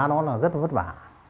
nó là rất là vất vả